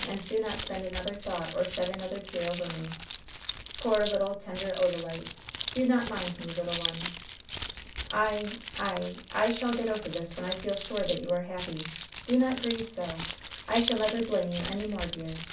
And do not spend another thought or shed another tear over me. Poor, little, tender Odalite! Do not mind me, little one! I I I shall get over this when I feel sure that you are happy. Do not grieve so! I shall never blame you any more, dear!